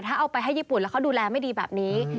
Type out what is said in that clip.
ถ้าเอาไปให้ญี่ปุ่นแล้วเขาดูแลไม่ดีแบบนี้